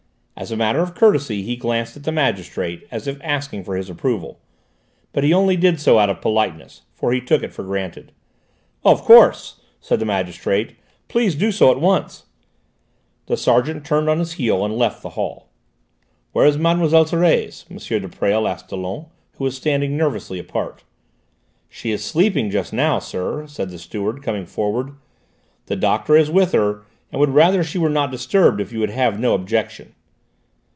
As a matter of courtesy he glanced at the magistrate as if asking for his approval, but he only did so out of politeness, for he took it for granted. "Of course!" said the magistrate; "please do so at once." The sergeant turned on his heel and left the hall. "Where is Mlle. Thérèse?" M. de Presles asked Dollon, who was standing nervously apart. "She is sleeping quietly just now, sir," said the steward, coming forward. "The doctor is with her, and would rather she were not disturbed, if you have no objection."